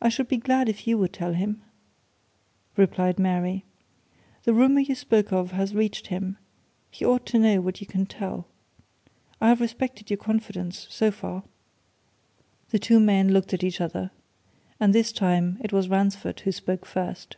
"I should be glad if you would tell him," replied Mary. "The rumour you spoke of has reached him he ought to know what you can tell. I have respected your confidence, so far." The two men looked at each other. And this time it was Ransford who spoke first.